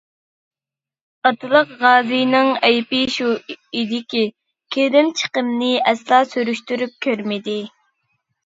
ئاتىلىق غازىنىڭ ئەيىبى شۇ ئىدىكى، كىرىم-چىقىمنى ئەسلا سۈرۈشتۈرۈپ كۆرمىدى.